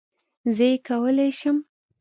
زه یې کولای شم